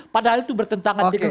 padahal itu bertentangan dengan